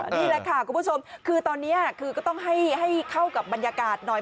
นี่แหละค่ะคุณผู้ชมคือตอนนี้คือก็ต้องให้เข้ากับบรรยากาศหน่อย